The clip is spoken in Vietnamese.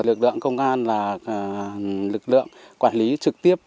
lực lượng công an là lực lượng quản lý trực tiếp